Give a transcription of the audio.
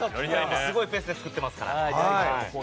すごいペースで作ってますから。